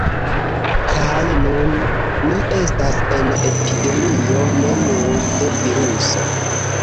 Kaj nun ni estas en epidemio ne nur de viruso